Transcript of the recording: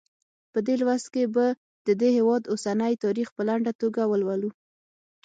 په دې لوست کې به د دې هېواد اوسنی تاریخ په لنډه توګه ولولو.